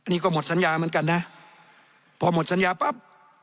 นี่ก็หมดสัญญาเหมือนกันนะพอหมดสัญญาปั๊บ